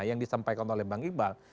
yang disampaikan oleh bang iqbal